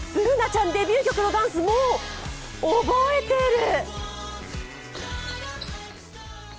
Ｂｏｏｎａちゃん、デビュー曲のダンス、もう覚えてる！